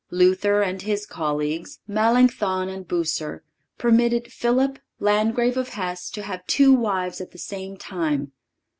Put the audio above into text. Luther and his colleagues, Melanchthon and Bucer, permitted Philip, Landgrave of Hesse, to have two wives at the same time.